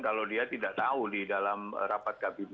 kalau dia tidak tahu di dalam rapat kabinet